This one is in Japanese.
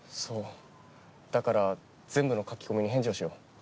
そうだから全部の書き込みに返事をしよう。